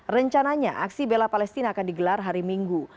rencananya aksi bela palestina akan digelar hari minggu